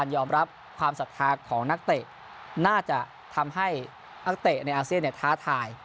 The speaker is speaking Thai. ยอมรับความศรัทธาของนักเตะน่าจะทำให้นักเตะในอาเซียนท้าทาย